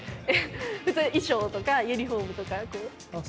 普通衣装とかユニフォームとか。